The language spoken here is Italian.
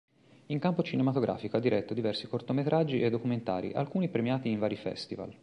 In campo cinematografico ha diretto diversi cortometraggi e documentari, alcuni premiati in vari festival.